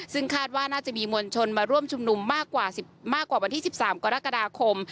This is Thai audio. ซึ่งคาดว่าน่าจะมีมวลชนมาร่วมชุมนุมมากกว่าวันที่๑๓กรกฎาคม